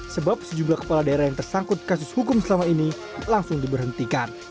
sebab sejumlah kepala daerah yang tersangkut kasus hukum selama ini langsung diberhentikan